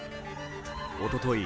おととい